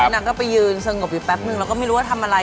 นางก็ไปยืนสงบอยู่แป๊บนึงแล้วก็ไม่รู้ว่าทำอะไร